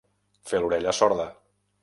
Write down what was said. Fer l'orella sorda.